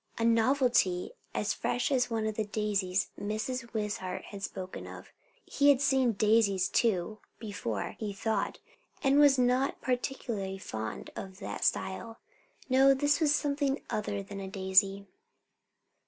A novelty as fresh as one of the daisies Mrs. Wishart had spoken of. He had seen daisies too before, he thought; and was not particularly fond of that style. No; this was something other than a daisy.